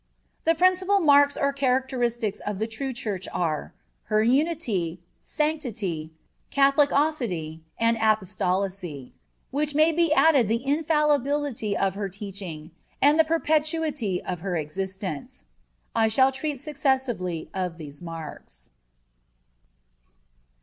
The principal marks or characteristics of the true Church are, her Unity, Sanctity, Catholicity, and Apostolicity,(15) to which may be added the Infallibility of her teaching and the Perpetuity of her existence. I shall treat successively of these marks.